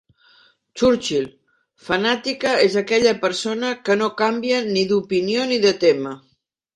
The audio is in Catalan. Churchill: fanàtica és aquella persona que no canvia ni d'opinió ni de tema.